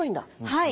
はい。